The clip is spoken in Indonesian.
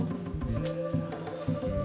gak mau tau ayo